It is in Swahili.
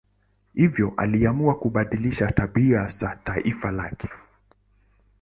Hivyo aliamua kubadilisha tabia za taifa lake.